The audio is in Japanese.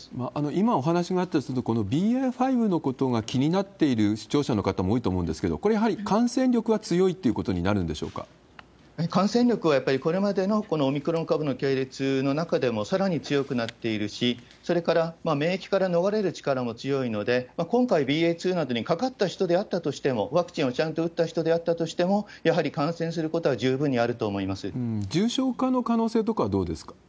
今お話があったように、そのＢＡ．５のことが気になっている視聴者の方も多いと思うんですけど、これはやっぱり感染力は強いってことになるんでしょうか感染力はやっぱり、これまでのオミクロン株の系列の中でもさらに強くなっているし、それから免疫から逃れる力も強いので、今回、ＢＡ．２などにかかった人であったとしても、ワクチンをちゃんと打った人であったとしても、やはり感染することは十分にあると思重症化の可能性とかはどうですか？